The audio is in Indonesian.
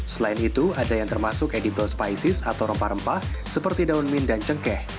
selain itu ada yang termasuk edible spices atau rempah rempah seperti daun min dan cengkeh